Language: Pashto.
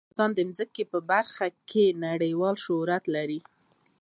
افغانستان د ځمکه په برخه کې نړیوال شهرت لري.